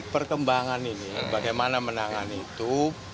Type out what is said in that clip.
perkembangan ini bagaimana menangani itu